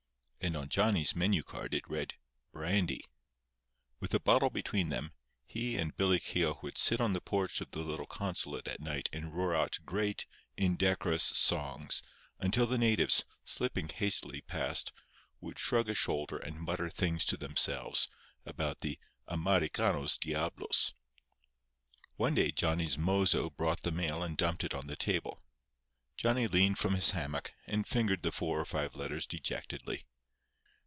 And on Johnny's menu card it read "brandy." With a bottle between them, he and Billy Keogh would sit on the porch of the little consulate at night and roar out great, indecorous songs, until the natives, slipping hastily past, would shrug a shoulder and mutter things to themselves about the "Americanos diablos." One day Johnny's mozo brought the mail and dumped it on the table. Johnny leaned from his hammock, and fingered the four or five letters dejectedly.